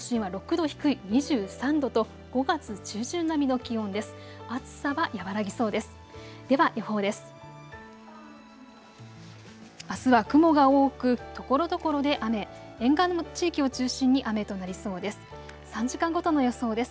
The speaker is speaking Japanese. あすは雲が多くところどころで雨、沿岸の地域を中心に雨となりそうです。